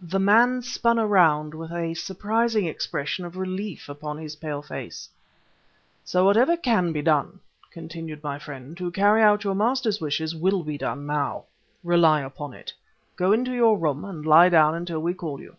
The man spun around with a surprising expression of relief upon his pale face. "So that whatever can be done," continued my friend, "to carry out your master's wishes, will be done now. Rely upon it. Go into your room and lie down until we call you."